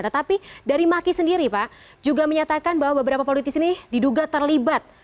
tetapi dari maki sendiri pak juga menyatakan bahwa beberapa politis ini diduga terlibat